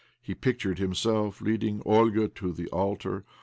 He pictured himself leading Olga to the altar.